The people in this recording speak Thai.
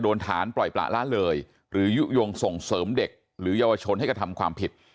โดนฐานปล่อยประละเลยหรือยุโยงส่งเสริมเด็กหรือเยาวชนให้กระทำความผิด